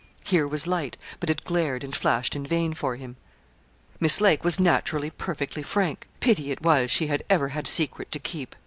Here was light, but it glared and flashed in vain for him. Miss Lake was naturally perfectly frank. Pity it was she had ever had a secret to keep!